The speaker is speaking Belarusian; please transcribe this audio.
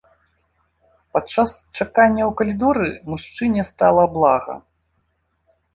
Падчас чакання ў калідоры мужчыне стала блага.